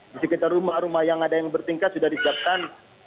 di sekitar rumah rumah yang ada yang bertingkat sudah disiapkan